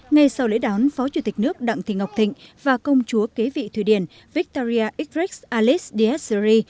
ngay sau lễ đón phó chủ tịch nước đặng thị ngọc thịnh và công chúa kế vị thụy điển victoria ingrid alice diaseri